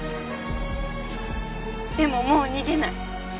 でももう逃げない。